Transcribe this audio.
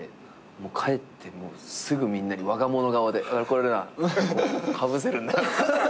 帰ってすぐみんなにわが物顔で「これな被せるんだよ」